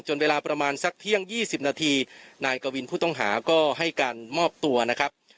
เวลาประมาณสักเที่ยง๒๐นาทีนายกวินผู้ต้องหาก็ให้การมอบตัวนะครับ